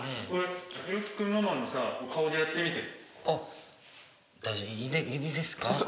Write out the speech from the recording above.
あっいいですか？